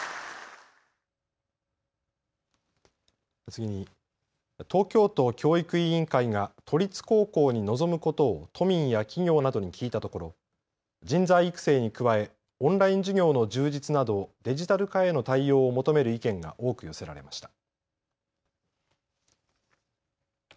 次に、東京都教育委員会が都立高校に望むことを都民や企業などに聞いたところ人材育成に加えオンライン授業の充実などデジタル化への対応を求める意見が多く寄せられました。